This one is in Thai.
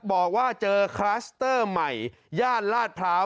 บอกว่าเจอคลัสเตอร์ใหม่ย่านลาดพร้าว